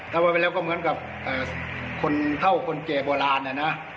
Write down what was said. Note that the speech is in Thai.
ถ้าว่าไปแล้วก็เหมือนกับคนเท่าคนเจบอ่อน